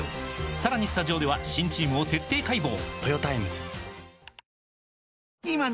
さらにスタジオでは新チームを徹底解剖！